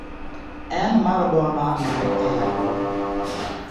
En malbona maniero.